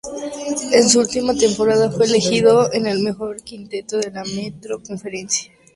En su última temporada fue elegido en el mejor quinteto de la Metro Conference.